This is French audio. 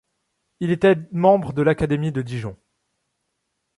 Il était membre de l’Académie de Dijon.